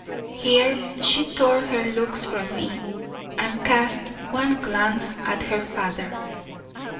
Here she tore her looks from me and cast one glance at her father.